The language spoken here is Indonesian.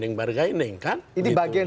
ini bagian dari upaya bargaining